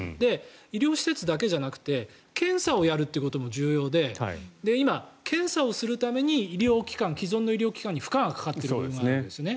医療施設だけじゃなくて検査をやることも重要で今、検査をするために既存の医療機関に負荷がかかっているというのがあるんですね。